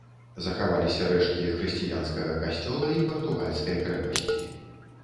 Захаваліся рэшткі хрысціянскага касцёла і партугальскай крэпасці.